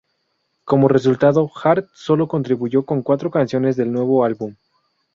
Como resultado, Hart solo contribuyó con cuatro canciones al nuevo álbum.